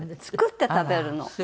作って食べるの。